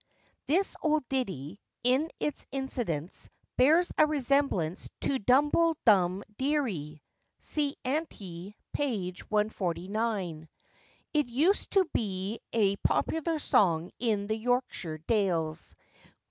[THIS old ditty, in its incidents, bears a resemblance to Dumble dum deary, see ante, p. 149. It used to be a popular song in the Yorkshire dales.